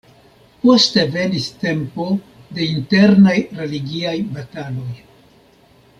Poste venis tempo de internaj religiaj bataloj.